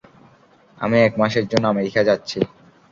আমি এক মাসের জন্য আমেরিকা যাচ্ছি।